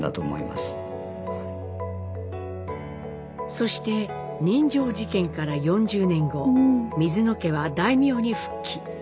そして刃傷事件から４０年後水野家は大名に復帰。